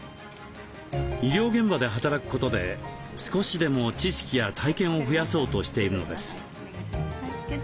医療現場で働くことで少しでも知識や体験を増やそうとしているのです。